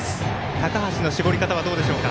高橋の絞り方はどうでしょうか。